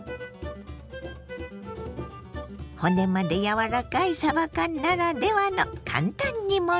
骨まで柔らかいさば缶ならではの簡単煮物。